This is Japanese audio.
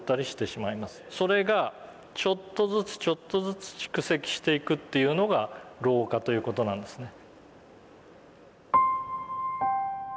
それがちょっとずつちょっとずつ蓄積していくというのが老化という事なんですね。